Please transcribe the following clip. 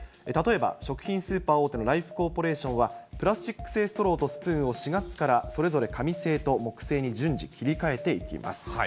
例えば食品スーパー大手のライフコーポレーションは、プラスチック製ストローとスプーンを４月からそれぞれ紙製と木製に順次切り替えていきます。